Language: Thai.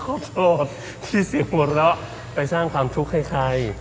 ขอโทษที่เสียงหัวเราะไปสร้างความทุกข์ให้ใคร